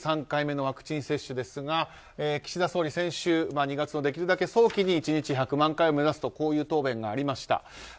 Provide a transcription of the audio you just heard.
３回目のワクチン接種ですが岸田総理、先週２月のできるだけ早期に１日１００万回を目指すという答弁がありました。